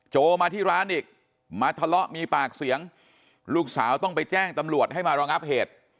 โมาที่ร้านอีกมาทะเลาะมีปากเสียงลูกสาวต้องไปแจ้งตำรวจให้มารองับเหตุ